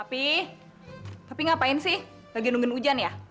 tapi ngapain sih lagi nungguin hujan ya